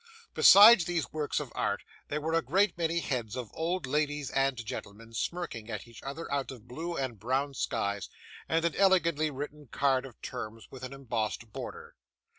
Besides these works of art, there were a great many heads of old ladies and gentlemen smirking at each other out of blue and brown skies, and an elegantly written card of terms with an embossed border.